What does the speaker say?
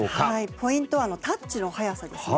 ポイントはタッチの早さです。